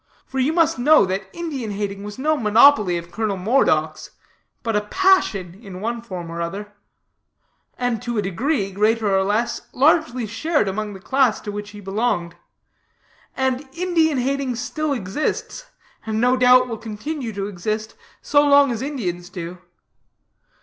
For you must know that Indian hating was no monopoly of Colonel Moredock's; but a passion, in one form or other, and to a degree, greater or less, largely shared among the class to which he belonged. And Indian hating still exists; and, no doubt, will continue to exist, so long as Indians do.